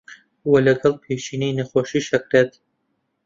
وە لەگەڵ پێشینەی نەخۆشی شەکرەت